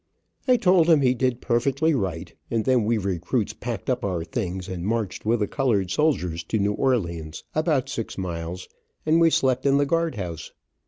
I told him he did perfectly right, and then we recruits packed up our things and marched with the colored soldiers to New Orleans, about six miles, and we slept in the guard house.